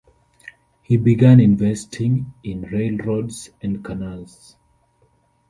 He began investing in railroads and canals.